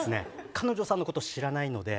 彼女さんのこと知らないので。